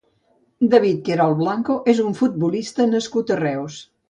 David Querol Blanco és un futbolista nascut a Reus.